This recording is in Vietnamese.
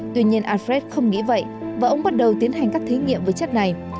tuy nhiên alfred không nghĩ vậy và ông bắt đầu tiến hành các thí nghiệm với chất này